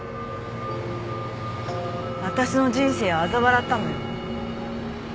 私の人生をあざ笑ったのよ。